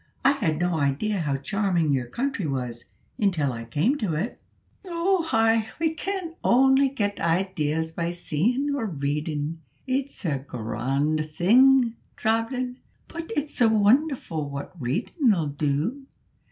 "I had no idea how charming your country was, until I came to it." "Oo ay! we can only get ideas by seein' or readin'. It's a grawnd thing, travellin', but it's wonderfu' what readin' 'll do.